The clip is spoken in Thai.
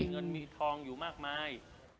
เงินมีทองอยู่มากมาย